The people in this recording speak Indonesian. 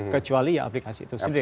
kecuali aplikasi itu sendiri